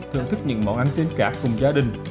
thưởng thức những món ăn trên cả cùng gia đình